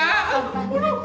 aduh aduh aduh